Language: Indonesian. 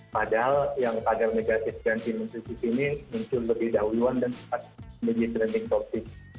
padahal yang tagar negatif ganti menteri susi ini muncul lebih dahulu dan lebih trending topic